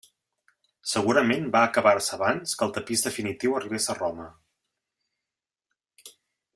Segurament va acabar-se abans que el tapís definitiu arribés a Roma.